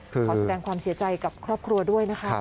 ขอแสดงความเสียใจกับครอบครัวด้วยนะคะ